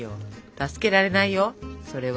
助けられないよそれは。